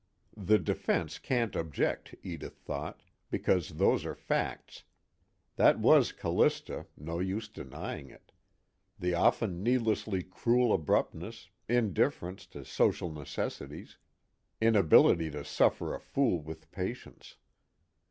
The defense can't object, Edith thought, because those are facts. That was Callista, no use denying it: the often needlessly cruel abruptness, indifference to social necessities, inability to suffer a fool with patience.